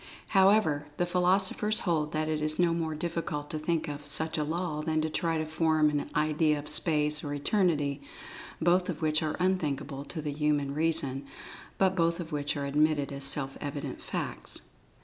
However, the philosophers hold that it is no more difficult to think of such a law than to try to form an idea of Space or Eternity, both of which are unthinkable to the human reason, but both of which are admitted as self evident facts.